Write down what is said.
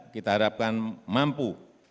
kita harapkan mampu